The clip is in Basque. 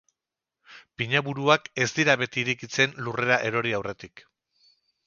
Pinaburuak ez dira beti irekitzen lurrera erori aurretik.